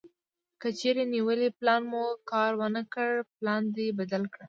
کچېرې نیولی پلان مو کار ونه کړ پلان دې بدل کړه.